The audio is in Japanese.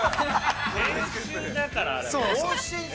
◆練習だから、あれ。